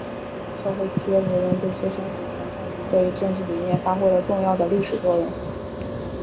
社会契约理论对催生主权在民这一政治理念发挥了重要的历史作用。